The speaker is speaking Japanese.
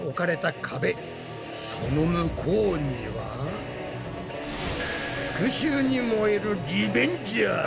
その向こうには復しゅうに燃えるリベンジャーズ。